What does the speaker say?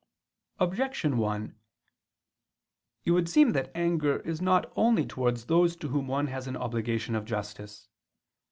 Objection 1: It would seem that anger is not only towards those to whom one has an obligation of justice.